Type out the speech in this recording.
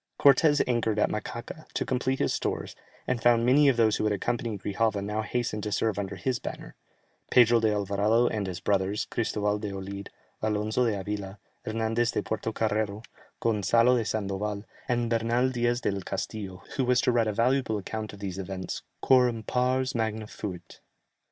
Cortès anchored at Macaca, to complete his stores, and found many of those who had accompanied Grijalva now hasten to serve under his banner: Pedro de Alvarado and his brothers, Christoval de Olid, Alonzo de Avila, Hernandez de Puerto Carrero, Gonzalo de Sandoval, and Bernal Diaz del Castillo, who was to write a valuable account of these events "quorum pars magna fuit."